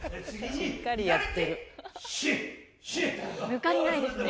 抜かりないですね。